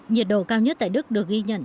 nhiệt độ cao nhất tại đức được ghi nhận